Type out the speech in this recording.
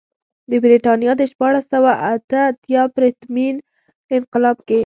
د برېټانیا د شپاړس سوه اته اتیا پرتمین انقلاب کې.